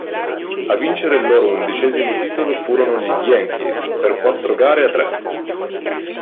A vincere il loro undicesimo titolo furono gli Yankees per quattro gare a tre.